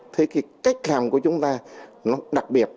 thế thì cái cách làm của chúng ta nó đặc biệt